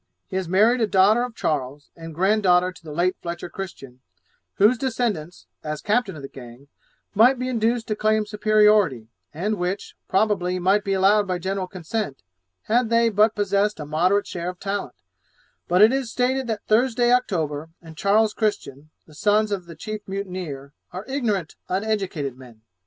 He has married a daughter of Charles, and grand daughter to the late Fletcher Christian, whose descendants, as captain of the gang, might be induced to claim superiority, and which, probably, might be allowed by general consent, had they but possessed a moderate share of talent; but it is stated that Thursday October and Charles Christian, the sons of the chief mutineer, are ignorant, uneducated men.